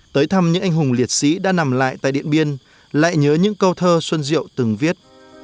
tới thăm những anh hùng liệt sĩ đã nằm lại tại điện biên lại nhớ những câu thơ xuân diệu từng viết